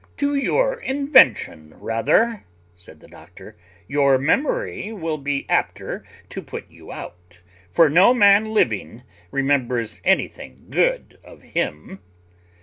"To your invention rather," said the doctor: "your memory will be apter to put you out; for no man living remembers anything good of him."